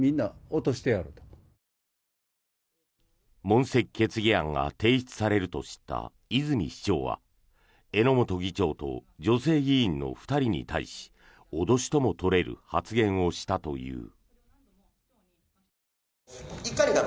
問責決議案が提出されると知った泉市長は榎本議長と女性議員の２人に対し脅しとも取れる発言をしたという。